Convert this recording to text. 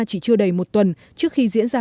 chỉ chưa đầy một tuần trước khi diễn ra